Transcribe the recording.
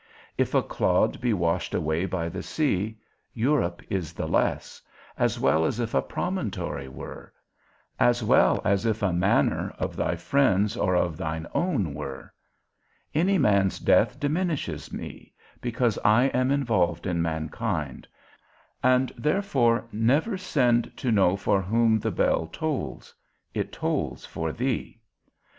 If a clod be washed away by the sea, Europe is the less, as well as if a promontory were, as well as if a manor of thy friend's or of thine own were: any man's death diminishes me, because I am involved in mankind, and therefore never send to know for whom the bells tolls; it tolls for thee.